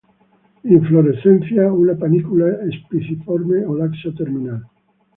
Inflorescencia una panícula espiciforme o laxa, terminal.